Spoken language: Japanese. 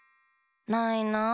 ないなあ。